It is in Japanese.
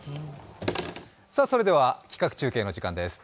さ、それでは企画中継の時間です。